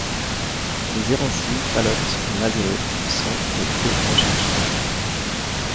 Les irancy Palottes ou Mazelot sont des crus recherchés.